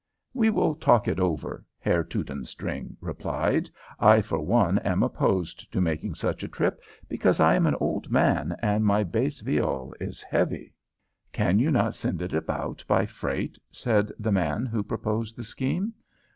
"We will talk it over," Herr Teutonstring replied. "I for one am opposed to making such a trip, because I am an old man, and my bass viol is heavy." "Can you not send it about by freight?" said the man who proposed the scheme.